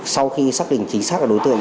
sau khi xác định chính xác đối tượng